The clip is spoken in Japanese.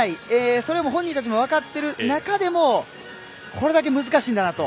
それは本人たちも分かっている中でもこれだけ難しいんだなと。